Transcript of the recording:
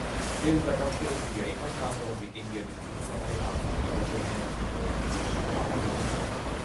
ეს დაკავშირებულია იმასთან, რომ ვიკინგების მოსვლამდე აქ იკრიბებოდნენ ირლანდიელი თავადები.